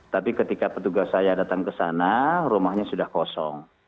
tapi ketika petugas saya datang ke sana rumahnya sudah kosong